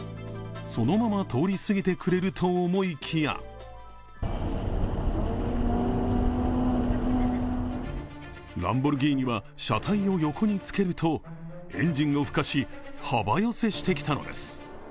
そのまま通りすぎてくれると思いきやランボルギーニは車体を横につけると、エンジンをふかし幅寄せしてきたのです。